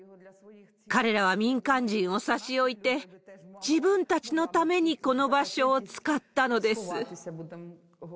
彼らは民間人を差し置いて、自分たちのためにこの場所を使ったのです。